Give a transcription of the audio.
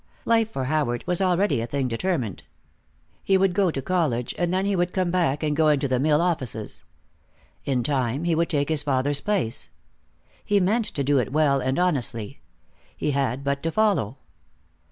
Life for Howard was already a thing determined. He would go to college, and then he would come back and go into the mill offices. In time, he would take his father's place. He meant to do it well and honestly. He had but to follow.